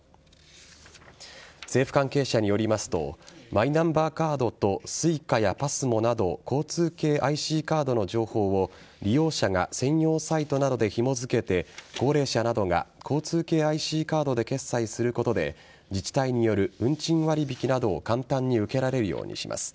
政府関係者によりますとマイナンバーカードとＳｕｉｃａやＰＡＳＭＯなど交通系ＩＣカードの情報を利用者が専用サイトなどでひも付けて高齢者などが交通系ＩＣカードで決済することで自治体による運賃割引などを簡単に受けられるようにします。